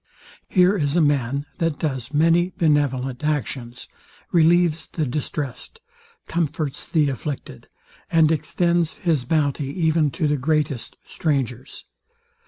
Here is a man, that does many benevolent actions; relieves the distressed, comforts the afflicted, and extends his bounty even to the greatest strangers.